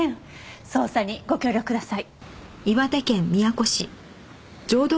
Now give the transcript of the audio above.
捜査にご協力ください。